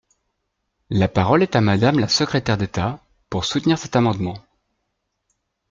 La parole est à Madame la secrétaire d’État, pour soutenir cet amendement.